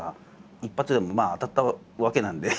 一発でもまあ当たったわけなんで。